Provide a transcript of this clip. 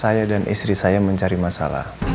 saya dan istri saya mencari masalah